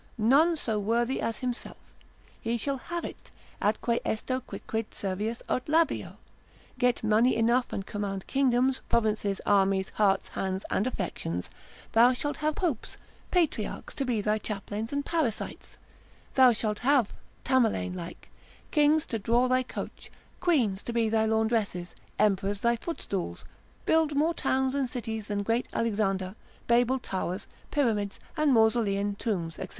21.) none so worthy as himself: he shall have it, atque esto quicquid Servius aut Labeo. Get money enough and command kingdoms, provinces, armies, hearts, hands, and affections; thou shalt have popes, patriarchs to be thy chaplains and parasites: thou shalt have (Tamerlane like) kings to draw thy coach, queens to be thy laundresses, emperors thy footstools, build more towns and cities than great Alexander, Babel towers, pyramids and Mausolean tombs, &c.